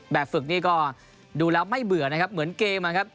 ฝึกนี่ก็ดูแล้วไม่เบื่อนะครับเหมือนเกมนะครับ